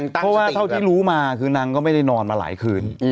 เพราะว่าเท่าที่รู้มาคือนางก็ไม่ได้นอนมาหลายคืน